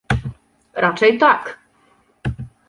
Raczej tak.